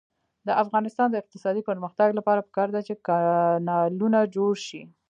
د افغانستان د اقتصادي پرمختګ لپاره پکار ده چې کانالونه جوړ شي.